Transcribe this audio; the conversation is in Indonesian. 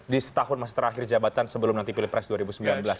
di setahun terakhir jabatan sebelum nanti dipilih pres dua ribu sembilan belas